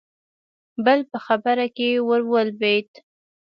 بل په خبره کې ورولوېد: